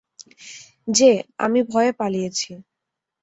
যে, আমি ভয়ে পালিয়েছি।